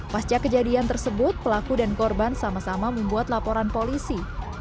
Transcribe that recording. pasca kejadian tersebut pelaku dan korban sama sama membuat laporan polisi